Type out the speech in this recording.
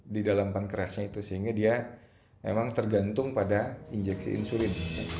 di dalam pankreasnya itu sehingga dia memang tergantung pada injeksi insulin